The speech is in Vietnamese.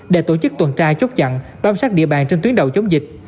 để tổ chức tuần trai chốt chặn tăm sát địa bàn trên tuyến đầu chống dịch